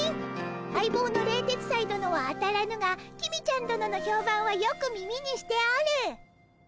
相棒の冷徹斎殿は当たらぬが公ちゃん殿の評判はよく耳にしておる！